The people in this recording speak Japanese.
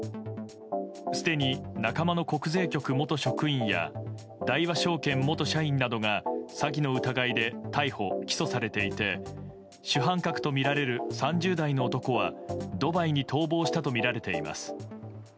すでに仲間の国税局元職員や大和証券元社員などが詐欺の疑いで逮捕・起訴されていて主犯格とみられる３０代の男はドバイに逃亡したとみられています。